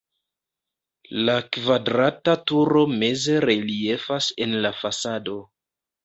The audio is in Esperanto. La kvadrata turo meze reliefas en la fasado.